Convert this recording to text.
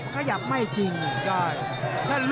พ่อที่นีทร์